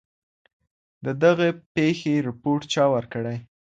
د دغي پېښي رپوټ چا ورکړی؟